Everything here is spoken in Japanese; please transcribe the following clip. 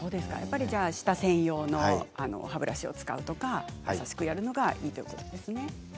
舌専用の歯ブラシを使うとか、優しくやるのがいいということですね。